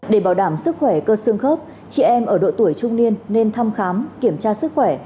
để bảo đảm sức khỏe cơ xương khớp chị em ở độ tuổi trung niên nên thăm khám kiểm tra sức khỏe